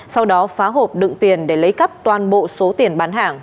sau đó phá hộp đựng tiền để lấy cắp toàn bộ số tiền bán hàng